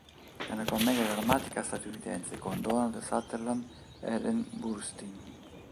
È una commedia drammatica statunitense con Donald Sutherland e Ellen Burstyn.